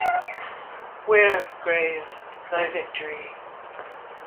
Where, grave, thy victory?